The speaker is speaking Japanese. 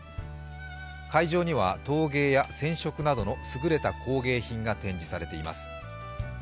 会場には陶芸や染織などの優れた工芸品が展示されています。